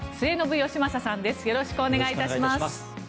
よろしくお願いします。